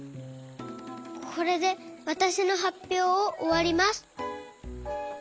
これでわたしのはっぴょうをおわります。